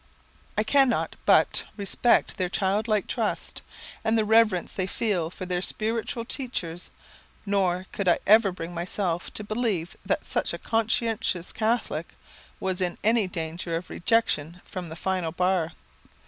I cannot but respect their child like trust, and the reverence they feel for their spiritual teachers; nor could I ever bring myself to believe that a conscientious Catholic was in any danger of rejection from the final bar.